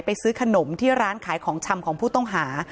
ซื้อขนมที่ร้านขายของชำของผู้ต้องหา